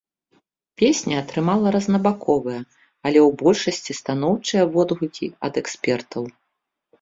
Песня атрымала рознабаковыя, але ў большасці станоўчыя водгукі ад экспертаў.